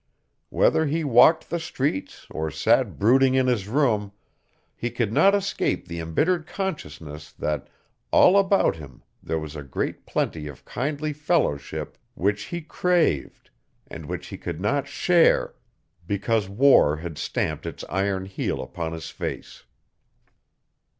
Whether he walked the streets or sat brooding in his room, he could not escape the embittered consciousness that all about him there was a great plenty of kindly fellowship which he craved and which he could not share because war had stamped its iron heel upon his face.